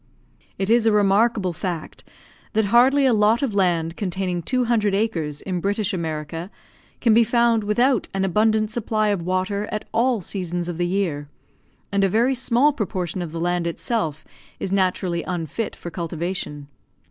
It is a remarkable fact, that hardly a lot of land containing two hundred acres, in British America, can be found without an abundant supply of water at all seasons of the year; and a very small proportion of the land itself is naturally unfit for cultivation.